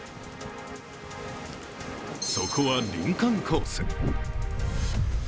そこは林間コース。